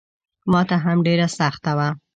ماته هم ډېره سخته ده.